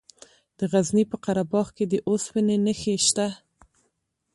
د غزني په قره باغ کې د اوسپنې نښې شته.